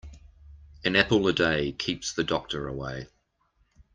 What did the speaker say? An apple a day keeps the doctor away.